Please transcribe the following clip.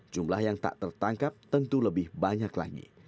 jumlah yang tak tertangkap tentu lebih banyak lagi